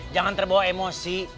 jangan terbawa emosi